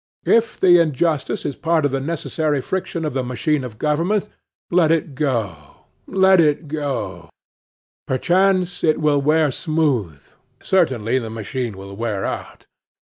If the injustice is part of the necessary friction of the machine of government, let it go, let it go: perchance it will wear smooth,—certainly the machine will wear out.